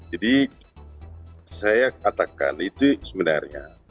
jadi saya katakan itu sebenarnya